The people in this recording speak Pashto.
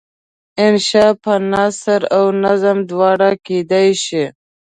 انشأ په نثر او نظم دواړو کیدای شي.